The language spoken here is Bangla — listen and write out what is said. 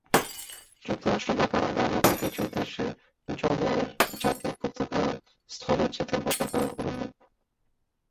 যুক্তরাষ্ট্র বা কানাডার মত কিছু দেশে জলের জাতীয় পতাকা, স্থলের জাতীয় পতাকার অনুরূপ।